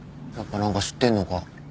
やっぱ何か知ってんのか？